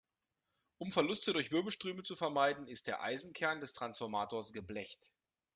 Um Verluste durch Wirbelströme zu vermeiden, ist der Eisenkern des Transformators geblecht.